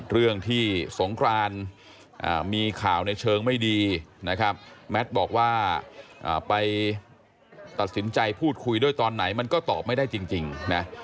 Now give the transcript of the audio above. เรื่องที่สงครานมีข่าวในเชิงไม่ดีนะครับแมทบอกว่าไปตัดสินใจพูดคุยด้วยตอนไหนมันก็ตอบไม่ได้จริงนะ